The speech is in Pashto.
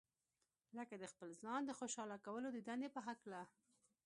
لکه د خپل ځان د خوشاله کولو د دندې په هکله.